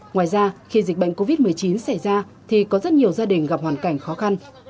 ngoài ra khi dịch bệnh covid một mươi chín xảy ra thì có rất nhiều gia đình gặp hoàn cảnh khó khăn